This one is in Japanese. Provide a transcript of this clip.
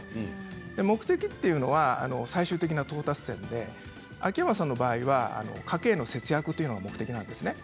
目的というのは最終的な到達点で秋山さんの場合は家計の節約というのが目的なんですね。